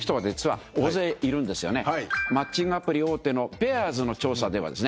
マッチングアプリ大手のペアーズの調査ではですね